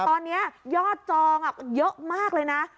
ตอนนี้ยอดจองเยอะมากเลยนะ